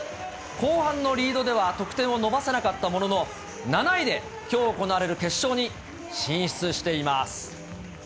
後半のリードでは得点を伸ばさなかったものの、７位できょう行われる決勝に進出しています。